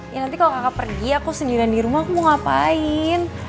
ya nanti kalau kakak pergi aku sendirian di rumah aku mau ngapain